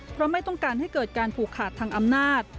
เพราะไม่ต้องการให้เกิดการผูกขาดทางอำนาจ